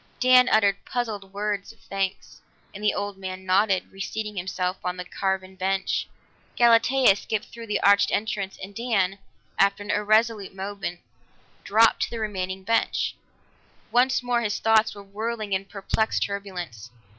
Dan uttered puzzled words of thanks, and the old man nodded, reseating himself on the carven bench; Galatea skipped through the arched entrance, and Dan, after an irresolute moment, dropped to the remaining bench. Once more his thoughts were whirling in perplexed turbulence.